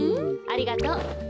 ありがとう。